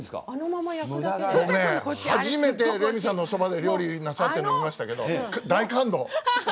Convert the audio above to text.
初めてレミさんがおそばで料理なさってるの見ましたけど大感動！